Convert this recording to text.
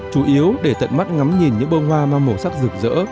chủ yếu để tận mắt ngắm nhìn những bông hoa mang màu sắc rực rỡ